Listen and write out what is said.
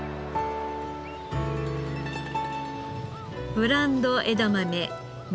ブランド枝豆味